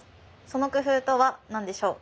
その工夫とは何でしょう？